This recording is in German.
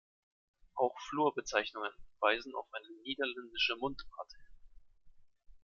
Auch Flurbezeichnungen weisen auf eine niederländische Mundart hin.